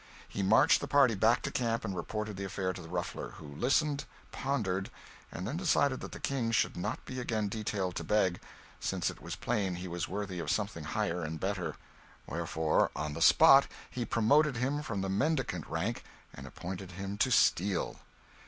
He marched the party back to camp and reported the affair to the Ruffler, who listened, pondered, and then decided that the King should not be again detailed to beg, since it was plain he was worthy of something higher and better wherefore, on the spot he promoted him from the mendicant rank and appointed him to steal!